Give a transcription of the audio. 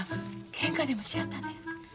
けんかでもしやったんですか？